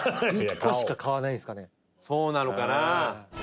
トシ：そうなのかな。